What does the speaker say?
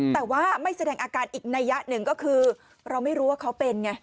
แต่ว่าไม่แสดงอาการอีกนัยยะหนึ่งก็คือเราไม่รู้ว่าเขาเป็นไง